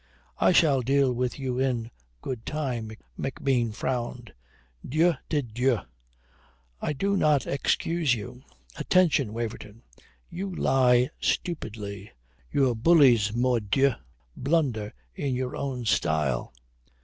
"I shall deal with you in good time," McBean frowned. "Dieu de dieu! I do not excuse you. Attention, Waverton! You lie stupidly. Your bullies, mordieu, blunder in your own style.